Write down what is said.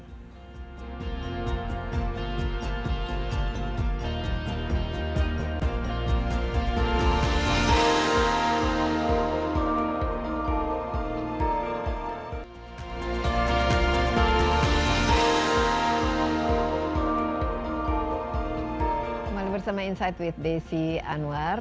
kembali bersama insight with desi anwar